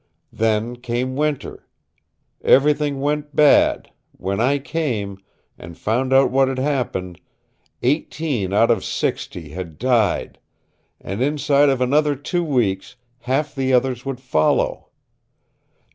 Then came winter. Everything went bad, When I came and found out what had happened eighteen out of sixty had died, and inside of another two weeks half the others would follow.